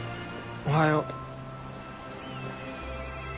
おはよう。